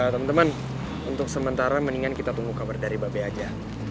temen temen untuk sementara mendingan kita tunggu kabar dari babi aja